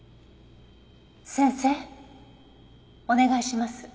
先生お願いします。